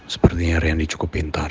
sepertinya rian di cukup pintar